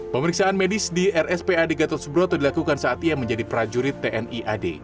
pemeriksaan medis di rspad gatot subroto dilakukan saat ia menjadi prajurit tni ad